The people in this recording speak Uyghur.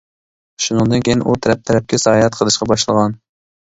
شۇنىڭدىن كېيىن، ئۇ تەرەپ-تەرەپكە ساياھەت قىلىشقا باشلىغان.